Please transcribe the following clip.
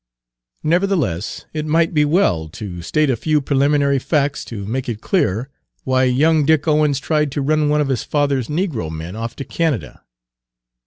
Nevertheless, it might be well to state a few preliminary facts to make it clear why young Dick Owens tried to run one of his father's negro men off to Canada.